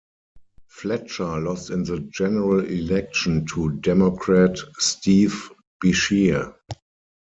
Fletcher lost in the general election to Democrat Steve Beshear.